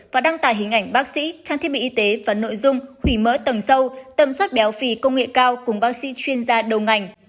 và đăng tải hình ảnh bác sĩ trang thiết bị y tế và nội dung hủy mỡ tầng sâu tầm suất béo phì công nghệ cao cùng bác sĩ chuyên gia đầu ngành